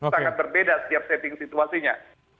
sangat berbeda setiap seving situasinya